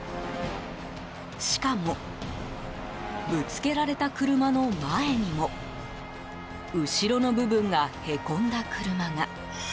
しかも、ぶつけられた車の前にも後ろの部分がへこんだ車が。